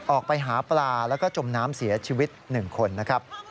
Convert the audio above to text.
ออกไปหาปลาแล้วก็จมน้ำเสียชีวิต๑คนนะครับ